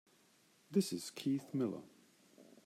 This is Keith Miller.